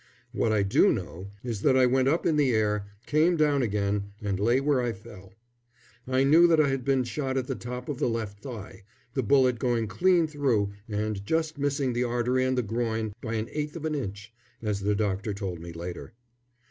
What I do know is that I went up in the air, came down again, and lay where I fell. I knew that I had been shot at the top of the left thigh, the bullet going clean through and just missing the artery and the groin by an eighth of an inch, as the doctor told me later.